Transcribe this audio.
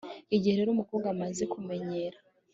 igihe rero umukobwa amaze kumenyera